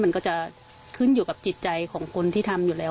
มันก็จะขึ้นอยู่กับจิตใจของคนที่ทำอยู่แล้ว